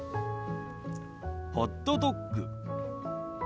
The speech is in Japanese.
ホットドッグ。